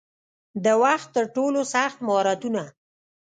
د وخت ترټولو سخت مهارتونه